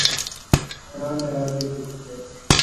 طرح طرح کے پرندے